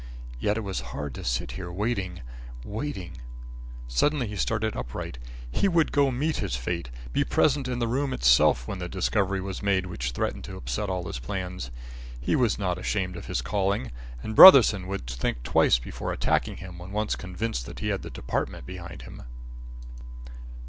Yet it was hard to sit here waiting, waiting Suddenly he started upright. He would go meet his fate be present in the room itself when the discovery was made which threatened to upset all his plans. He was not ashamed of his calling, and Brotherson would think twice before attacking him when once convinced that he had the Department behind him.